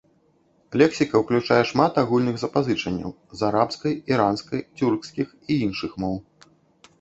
Лексіка ўключае шмат агульных запазычанняў з арабскай, іранскай, цюркскіх і іншых моў.